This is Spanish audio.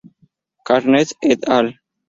Cairns et al.